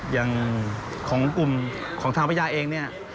อย่างของกลุ่มของทางพญาเองเนี่ย